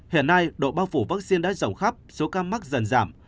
hiện nay độ bao phủ vaccine đã rộng khắp số ca mắc dần giảm